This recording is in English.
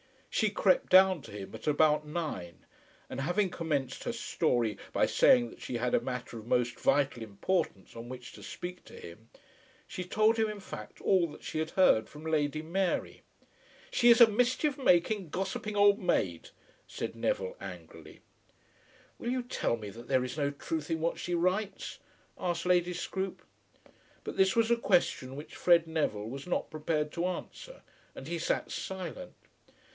She crept down to him at about nine, and having commenced her story by saying that she had a matter of most vital importance on which to speak to him, she told him in fact all that she had heard from Lady Mary. "She is a mischief making gossiping old maid," said Neville angrily. "Will you tell me that there is no truth in what she writes?" asked Lady Scroope. But this was a question which Fred Neville was not prepared to answer, and he sat silent.